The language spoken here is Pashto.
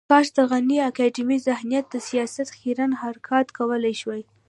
کاش د غني اکاډمیک ذهنیت د سياست خیرن حرکات کولای شوای.